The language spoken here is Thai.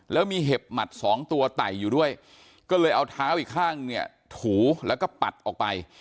แล้วมีเห็บหมัดสองตัวไต่อยู่ด้วยก็เลยเอาเท้าอีกข้างเนี่ยถูแล้วก็ปัดออกไป